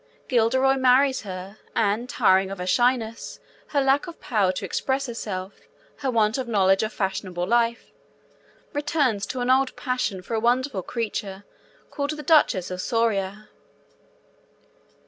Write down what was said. Guilderoy marries her and, tiring of her shyness, her lack of power to express herself, her want of knowledge of fashionable life, returns to an old passion for a wonderful creature called the Duchess of Soria.